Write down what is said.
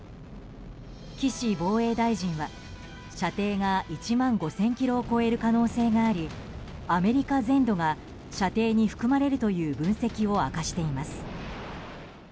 岸防衛大臣は射程が１万５０００ｋｍを超える可能性がありアメリカ全土が射程に含まれるという分析を明かしています。